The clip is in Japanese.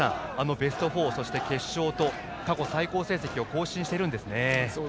ベスト４、そして決勝と過去最高成績を更新しています。